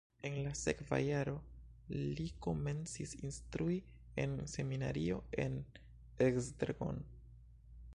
En la sekva jaro li komencis instrui en seminario en Esztergom.